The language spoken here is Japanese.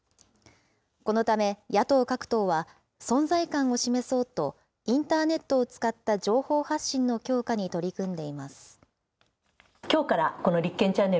このため、野党各党は存在感を示そうと、インターネットを使った情報発信の強化に取り組んでいます。